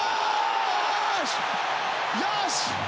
よし！